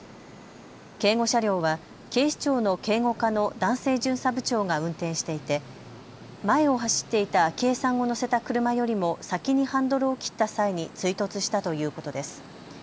警護車両は警視庁の警護課の男性巡査部長が運転していて前を走っていた昭恵さんを乗せた車よりも先にハンドルを切った際に追突したということです。